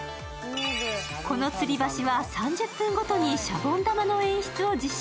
このつり橋は３０分ごとにしゃぼん玉の演出を実施。